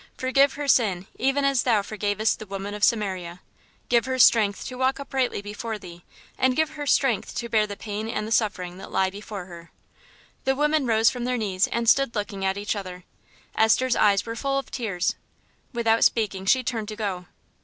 Forgive her sin, even as Thou forgavest the woman of Samaria. Give her strength to walk uprightly before Thee, and give her strength to bear the pain and the suffering that lie before her." The women rose from their knees and stood looking at each other. Esther's eyes were full of tears. Without speaking she turned to go.